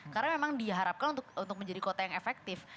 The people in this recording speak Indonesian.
karena memang diharapkan untuk menjadi kota yang efektif